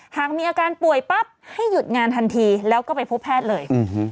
หากมีอาการป่วยปั๊บให้หยุดงานทันทีแล้วก็ไปพบแพทย์เลย